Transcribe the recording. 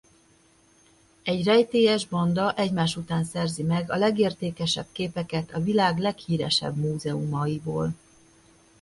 Egy rejtélyes banda egymás után szerzi meg a legértékesebb képeket a világ leghíresebb múzeumaiból.